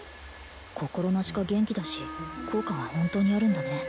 心なしか元気だし効果はホントにあるんだね